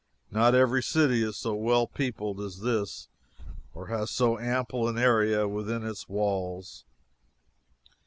Not every city is so well peopled as this, or has so ample an area within its walls.